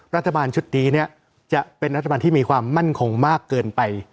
รัฐบาลชุดนี้จะเป็นรัฐบาลที่มีความมั่นคงมากเกินไป